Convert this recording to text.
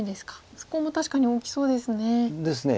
そこも確かに大きそうですね。ですね。